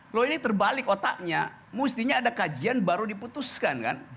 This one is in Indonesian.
loh ini terbalik otaknya mestinya ada kajian baru diputuskan kan